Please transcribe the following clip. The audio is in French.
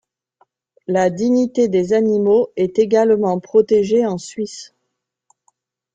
La dignité des animaux est également protégée en Suisse.